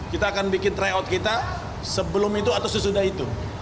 kita akan bikin tryout kita sebelum itu atau sesudah itu